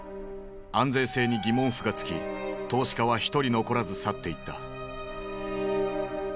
安全性に疑問符がつき投資家は一人残らず去っていった。